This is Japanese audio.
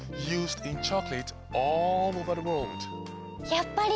やっぱり！